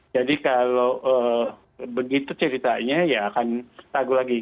jadi kalau begitu ceritanya ya akan lagu lagi